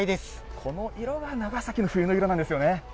この色が、長崎の冬の色なんですよね。